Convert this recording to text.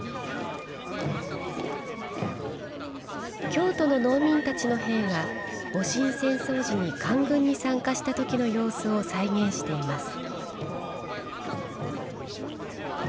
京都の農民たちの兵が戊辰戦争時に官軍に参加した時の様子を再現しています。